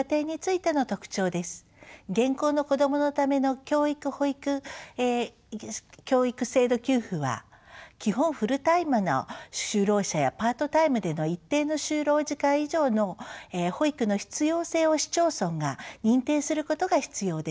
現行の子どものための教育保育制度給付は基本フルタイムの就労者やパートタイムでの一定の就労時間以上の保育の必要性を市町村が認定することが必要です。